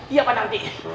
iya pak nanti